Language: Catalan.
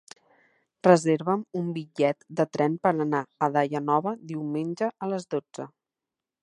Reserva'm un bitllet de tren per anar a Daia Nova diumenge a les dotze.